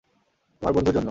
তোমার বন্ধুর জন্য।